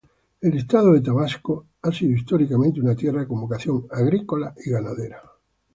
El estado de Tabasco ha sido históricamente una tierra con vocación agrícola y ganadera.